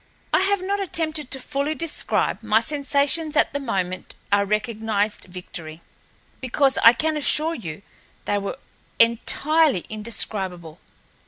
I have not attempted to fully describe my sensations at the moment I recognized Victory, because, I can assure you, they were entirely indescribable.